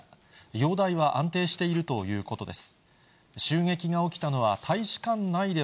容体は安定しているということです。